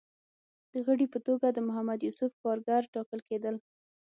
د غړي په توګه د محمد یوسف کارګر ټاکل کېدل